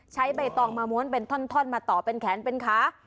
ใบตองมาม้วนเป็นท่อนมาต่อเป็นแขนเป็นขา